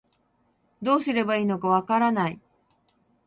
どうすればいいのかわからない